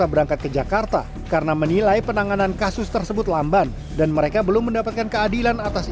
berangkat lima puluh orang untuk mewakili keluarga korban untuk berangkat ke jakarta